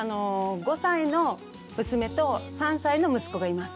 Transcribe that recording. ５歳の娘と３歳の息子がいます。